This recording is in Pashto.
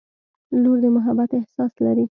• لور د محبت احساس لري.